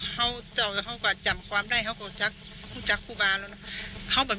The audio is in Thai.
เขาก็จำความได้เจาะจากครูบาแล้ว